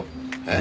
え？